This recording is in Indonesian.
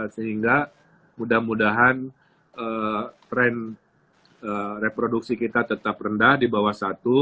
sehingga mudah mudahan tren reproduksi kita tetap rendah di bawah satu